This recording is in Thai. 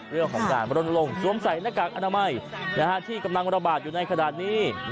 เรื่องของการบรนลงสวมใส่หน้ากากอนามัยที่กำลังระบาดอยู่ในขณะนี้